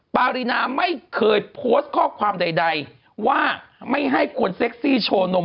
ปารีนาไม่เคยโพสต์ข้อความใดว่าไม่ให้ควรเซ็กซี่โชว์นม